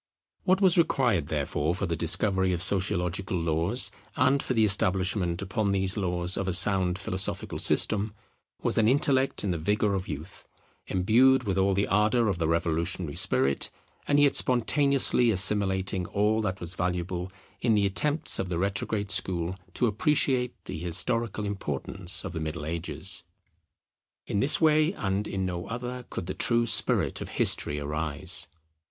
What was required therefore for the discovery of Sociological laws, and for the establishment upon these laws of a sound philosophical system, was an intellect in the vigour of youth, imbued with all the ardour of the revolutionary spirit, and yet spontaneously assimilating all that was valuable in the attempts of the retrograde school to appreciate the historical importance of the Middle Ages. In this way and in no other could the true spirit of history arise.